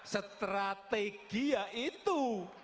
strategi ya itu